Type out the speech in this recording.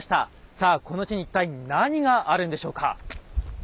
さあこの地に一体何があるんでしょうか？